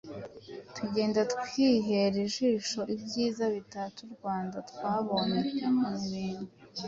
tugenda twihera ijisho ibyiza bitatse u Rwanda. Twabonye ibintu